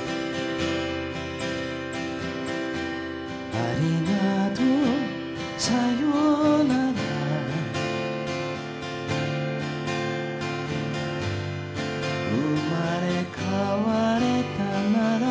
「ありがとうさよなら生まれ変われたならば」